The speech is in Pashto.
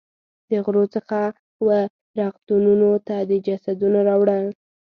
د غرو څخه وه رغتونونو ته د جسدونو راوړل.